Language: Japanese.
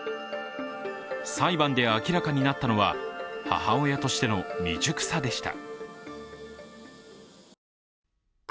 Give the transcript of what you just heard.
裁判で明らかになったのは母親としての未熟さでした。